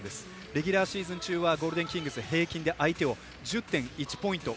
レギュラーシーズン中はゴールデンキングス平均で相手を１０．１ポイント